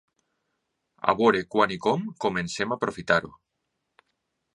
A veure quan i com comencem a aprofitar-ho.